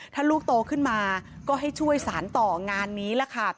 ถ้าลูกโตขึ้นมาก็ให้ช่วยสารต่องานนี้ล่ะค่ะ